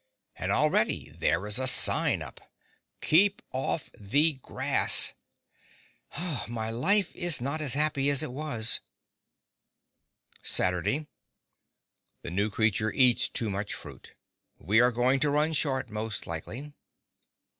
And already there is a sign up: KEEP OFF THE GRASS My life is not as happy as it was. Saturday The new creature eats too much fruit. We are going to run short, most likely.